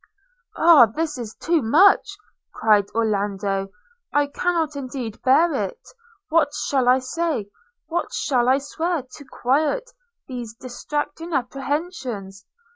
'Oh! this is too much,' cried Orlando; 'I cannot indeed bear it – What shall I say – what shall I swear, to quiet these distracting apprehensions?